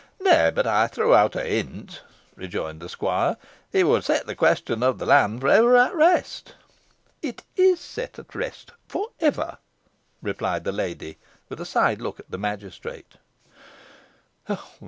"Nay, I but threw out a hint," rejoined the squire. "It would set the question of the land for ever at rest." "It is set at rest for ever!" replied the lady, with a side look at the magistrate.